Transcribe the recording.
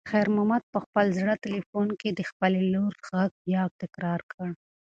خیر محمد په خپل زوړ تلیفون کې د خپلې لور غږ بیا تکرار کړ.